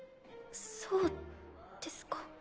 そうですか。